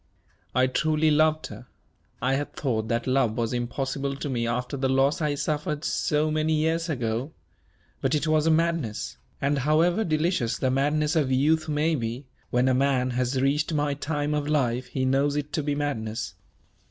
I truly loved her. I had thought that love was impossible to me after the loss I suffered so many years ago. But it was a madness; and, however delicious the madness of youth may be, when a man has reached my time of life he knows it to be madness.